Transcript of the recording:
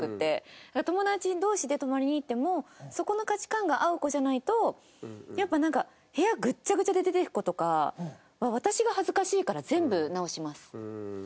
友達同士で泊まりに行ってもそこの価値観が合う子じゃないとやっぱなんか部屋ぐちゃぐちゃで出ていく子とか私が恥ずかしいから全部直します。